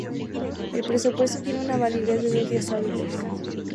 El presupuesto tiene una validez de dos días hábiles.